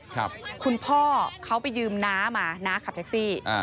คุณพ่อเขาไปยืมนะมานะขับแท็กซี่